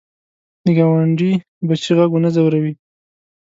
د ګاونډي بچي غږ ونه ځوروې